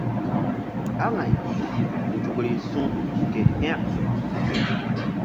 Aŋay nzukri su̧ ke hȩk.